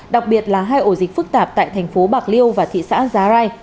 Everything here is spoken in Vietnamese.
đặc biệt là hai ổ dịch phức tạp tại thành phố bạc liêu và thị xã giá rai